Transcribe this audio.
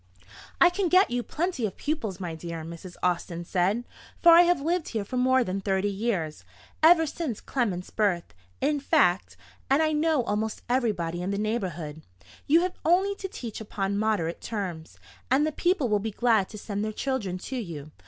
"I can get you plenty of pupils, my dear," Mrs. Austin said; "for I have lived here more than thirty years—ever since Clement's birth, in fact—and I know almost everybody in the neighbourhood. You have only to teach upon moderate terms, and the people will be glad to send their children to you.